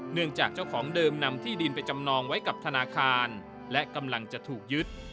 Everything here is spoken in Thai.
เจ้าของเดิมนำที่ดินไปจำนองไว้กับธนาคารและกำลังจะถูกยึด